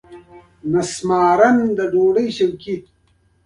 فساد ته دغه ډول لاره هوارول د تورو پیسو بل زیان دی.